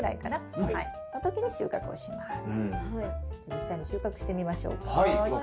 実際に収穫してみましょうか。